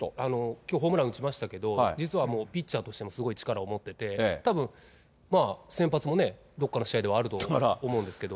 きょうホームラン打ちましたけれども、実はもう、ピッチャーとしてもすごい力を持ってて、たぶん、先発もね、どこかの試合ではあると思うんですけど。